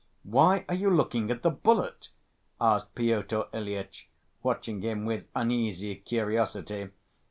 "Why are you looking at the bullet?" asked Pyotr Ilyitch, watching him with uneasy curiosity.